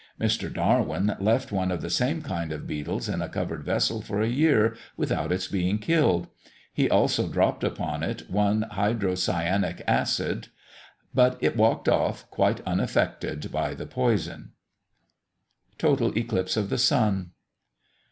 Mr. Darwin left one of the same kind of beetles in a covered vessel for a year, without its being killed; he also dropped upon one hydrocyanic acid, but it walked off, quite unaffected by the poison. TOTAL ECLIPSE OF THE SUN.